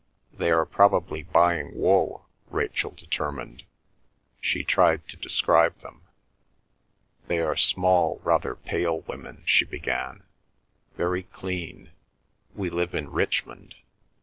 "They are probably buying wool," Rachel determined. She tried to describe them. "They are small, rather pale women," she began, "very clean. We live in Richmond.